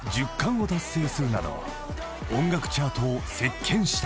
［音楽チャートを席巻した］